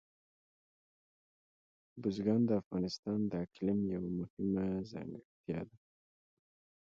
بزګان د افغانستان د اقلیم یوه مهمه ځانګړتیا ده.